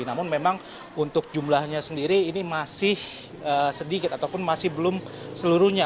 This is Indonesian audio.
namun memang untuk jumlahnya sendiri ini masih sedikit ataupun masih belum seluruhnya